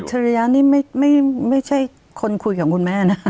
ฉริยะนี่ไม่ใช่คนคุยกับคุณแม่นะคะ